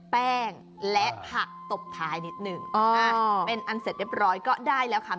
แป้งและผักตบท้ายนิดหนึ่งเป็นอันเสร็จเรียบร้อยก็ได้แล้วค่ะ